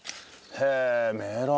へえメロン。